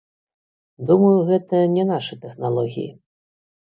Думаю, гэта не нашы тэхналогіі.